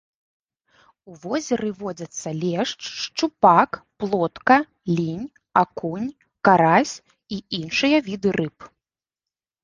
У возеры водзяцца лешч, шчупак, плотка, лінь, акунь, карась і іншыя віды рыб.